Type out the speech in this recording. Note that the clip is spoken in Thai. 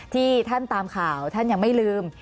ที่ท่านตามข่าวท่านยังไม่ลืม